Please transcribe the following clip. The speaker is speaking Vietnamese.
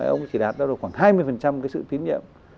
ông chỉ đạt ra được khoảng hai mươi cái sự tín nhiệm